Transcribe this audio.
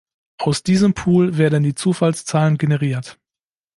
Aus diesem „Pool“ werden die Zufallszahlen generiert.